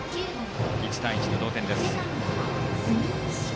１対１の同点です。